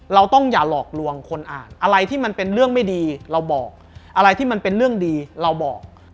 เราต้องอย่าหลอกลวงคนอ่านอะไรที่มันเป็นเรื่องไม่ดีเราบอกอะไรที่มันเป็นเรื่องดีเราบอก